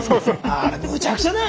あれむちゃくちゃだよ